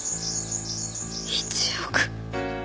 １億！？